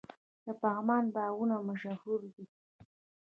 د پغمان باغونه مشهور دي.